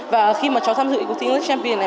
và khi mà cháu tham dự cuộc thi us champion này